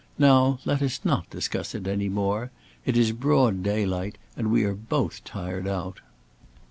Now let us not discuss it any more. It is broad daylight, and we are both tired out."